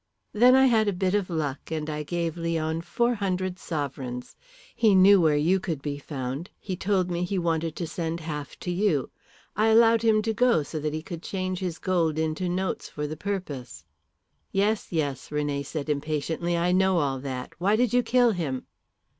Then I had a bit of luck, and I gave Leon four hundred sovereigns. He knew where you could be found; he told me he wanted to send half to you. I allowed him to go so that he could change his gold into notes for the purpose." "Yes, yes," René said impatiently, "I know all that. Why did you kill him?"